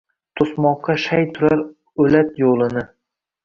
To’smoqqa shay turar o’lat yo’lini.